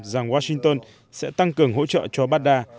rằng washington sẽ tăng cường hỗ trợ cho bada